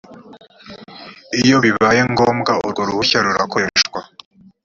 iyo bibaye ngombwa urwo ruhushya rurakoreshwa.